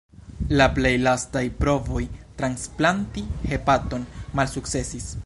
La plej lastaj provoj transplanti hepaton malsukcesis.